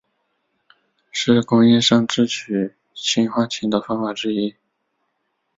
是工业上制取氰化氢的方法之一。